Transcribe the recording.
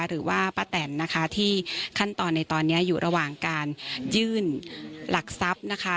หรือว่าป้าแตนนะคะที่ขั้นตอนในตอนนี้อยู่ระหว่างการยื่นหลักทรัพย์นะคะ